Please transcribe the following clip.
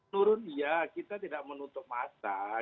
turun ya kita tidak menutup mata